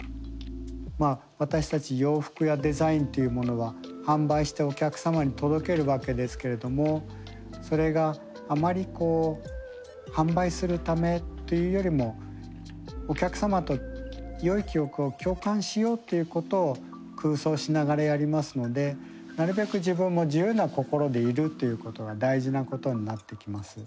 まあ私たち洋服やデザインというものは販売してお客様に届けるわけですけれどもそれがあまりこう販売するためというよりもお客様とよい記憶を共感しようということを空想しながらやりますのでなるべく自分も自由な心でいるということが大事なことになってきます。